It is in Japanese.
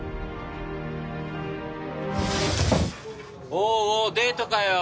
おうおうデートかよ。